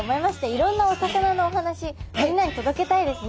いろんなお魚のお話みんなに届けたいですね。